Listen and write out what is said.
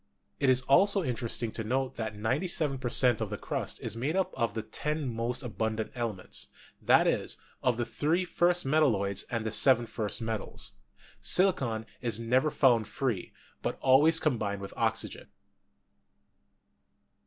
It is also interesting to note that 97 per cent, of the crust is made up of the 10 most abundant elements; that is, of the 3 first metalloids and the 7 first metals. Silicon is never found free, but always combined with oxygen.